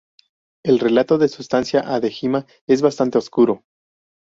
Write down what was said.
El relato de su estancia a Dejima es bastante oscuro.